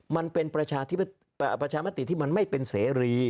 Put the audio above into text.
มันเป็นประชามติที่มันไม่เป็นเสรี